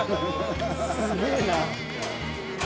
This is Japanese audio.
すげぇな。